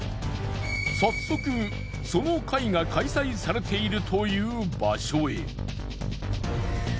早速その会が開催されているという場所へ。